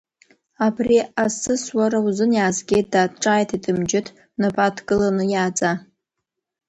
Абри асыс уара узын иаазгеит, дад, ҿааиҭит Мџьыҭ, напы адкыланы иааӡа!